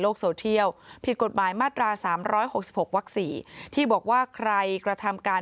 โซเทียลผิดกฎหมายมาตรา๓๖๖วัก๔ที่บอกว่าใครกระทำการ